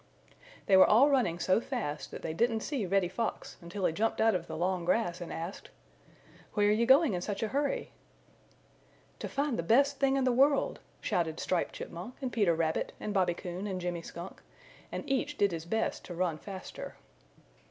They were all running so fast that they didn't see Reddy Fox until he jumped out of the long grass and asked: "Where are you going in such a hurry?" "To find the Best Thing in the World!" shouted Striped Chipmunk and Peter Rabbit and Bobby Coon and Jimmy Skunk, and each did his best to run faster.